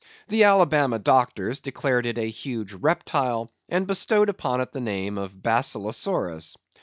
The Alabama doctors declared it a huge reptile, and bestowed upon it the name of Basilosaurus.